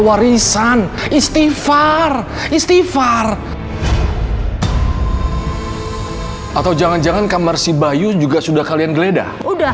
warisan istighfar istighfar atau jangan jangan kamar si bayu juga sudah kalian geledah udah